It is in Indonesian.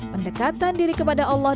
pendekatan diri kepada allah